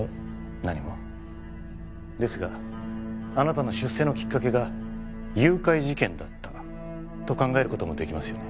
何もですがあなたの出世のきっかけが誘拐事件だったと考えることもできますよね